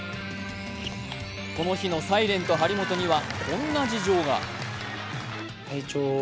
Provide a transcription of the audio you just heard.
この日のサイレント張本にはこんな事情が。